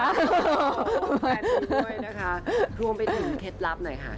แฟนนุ่มด้วยนะคะรวมไปถึงเคล็ดลับหน่อยค่ะ